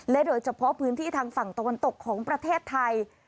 และโดยเฉพาะพื้นที่ทางฝั่งตกของประเทศไทย